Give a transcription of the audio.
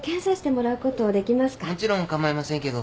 もちろんかまいませんけど。